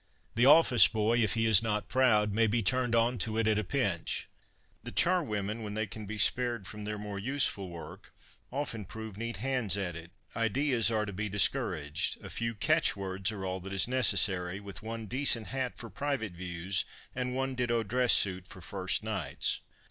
The office boy, if he is not proud, may be turned on to it at a pinch. The charwomen, when they can be spared from their more useful work, often prove neat hands at it. Ideas are to be dis couraged ; a few catchwords are all that is necessary, with one decent hat for Private Views and one ditto dress suit for First Nights.